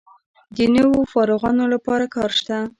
د نویو فارغانو لپاره کار شته؟